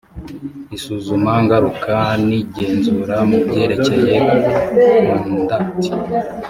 isuzumangaruka n igenzura mu byerekeye conduct